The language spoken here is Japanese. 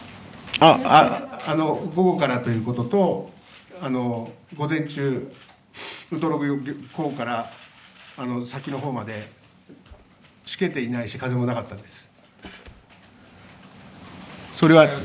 午後からということと午前中、ウトロ港から先のほうまでしけていないし風もなかったです。